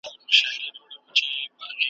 چي ناهیده پکښی سوځي چي د حق چیغه زیندۍ ده ,